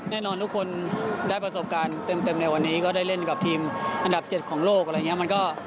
แน่นอนทุกคนได้ประสบการณ์เต็มในวันนี้ก็ได้เล่นกับทีมอันดับ๗ของโลกอะไรอย่างนี้